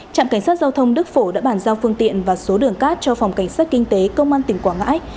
trạm cảnh sát giao thông đức phổ đã bàn giao phương tiện và số đường cát cho phòng cảnh sát kinh tế công an tỉnh quảng ngãi